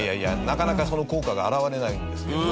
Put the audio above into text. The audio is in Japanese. なかなかその効果が表れないんですけど。